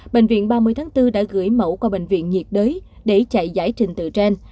bệnh viện ba mươi tháng bốn đã gửi mẫu qua bệnh viện nhiệt đới để chạy giải trình tự trên